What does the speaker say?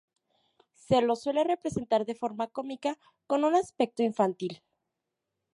Se lo suele representar de forma cómica, con un aspecto infantil.